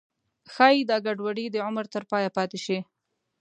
ښایي دا ګډوډي د عمر تر پایه پاتې شي.